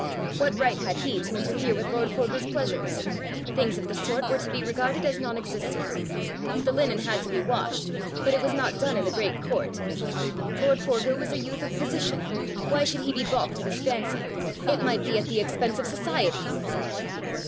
What right had he to interfere with lord Forgue's pleasures! Things of the sort were to be regarded as non existent! The linen had to be washed, but it was not done in the great court! Lord Forgue was a youth of position: why should he be balked of his fancy! It might be at the expense of society!